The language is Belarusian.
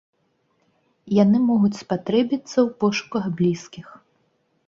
Яны могуць спатрэбіцца ў пошуках блізкіх.